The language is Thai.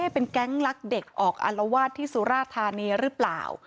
เป็นแก๊งลักเด็กออกอารวาสที่สุราธานีหรือเปล่า